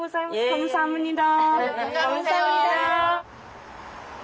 カムサハムニダ。